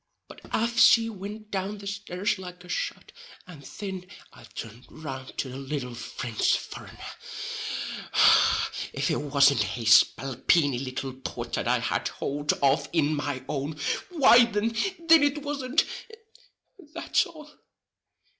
But aff she wint down the stairs like a shot, and thin I turned round to the little Frinch furrenner. Och hon! if it wasn't his spalpeeny little paw that I had hould of in my own—why thin—thin it wasn't—that's all.